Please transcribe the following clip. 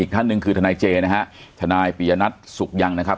ท่านหนึ่งคือทนายเจนะฮะทนายปียนัทสุขยังนะครับ